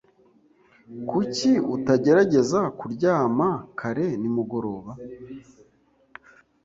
Kuki utagerageza kuryama kare nimugoroba?